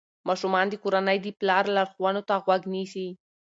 ماشومان د کورنۍ د پلار لارښوونو ته غوږ نیسي.